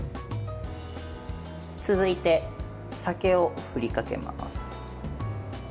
続いて、酒を振りかけます。